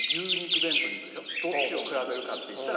どっちを比べるかっていったら。